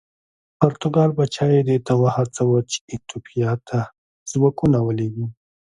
پرتګال پاچا یې دې ته وهڅاوه چې ایتوپیا ته ځواکونه ولېږي.